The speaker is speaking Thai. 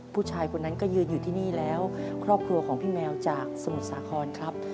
ผู้ชายคนนั้นก็ยืนอยู่ที่นี่แล้วครอบครัวของพี่แมวจากสมุทรสาครครับ